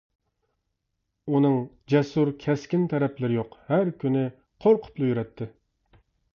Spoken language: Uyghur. ئۇنىڭ جەسۇر كەسكىن تەرەپلىرى يوق، ھەر كۈنى قورقۇپلا يۈرەتتى.